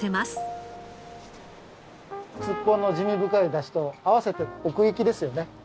すっぽんの滋味深い出汁と合わせて奥行きですよね